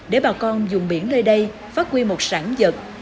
để bà con dùng biển nơi đây phát huy một sản vật